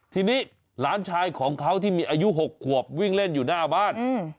ทีนี้หลานชายของเขาที่มีอายุ๖ขวบวิ่งเล่นอยู่หน้าบ้าน